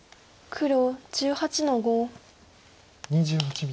黒８の五。